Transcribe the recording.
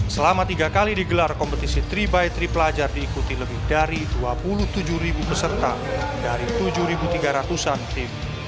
selama tiga kali digelar kompetisi tiga x tiga pelajar diikuti lebih dari dua puluh tujuh peserta dari tujuh tiga ratus an tim